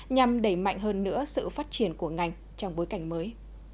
nhằm đẩy mạnh hơn nữa sự phát triển của ngành trong bối cảnh mới